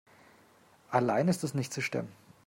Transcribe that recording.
Alleine ist es nicht zu stemmen.